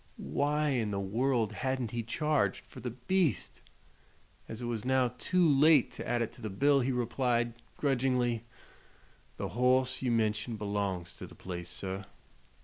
Why in the world hadn't he charged for "the beast"? As it was now too late to add it to the bill he replied, grudgingly: "The hoss you mention belongs to the place, sir.